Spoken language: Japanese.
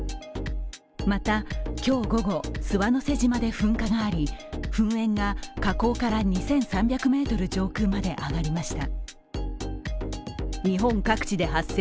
また、今日午後諏訪之瀬島で噴火があり噴煙が火口から２３００ｍ上空まで上がりました。